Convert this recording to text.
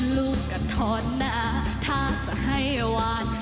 ลูกก็ถอนหน้าถ้าจะให้หวาน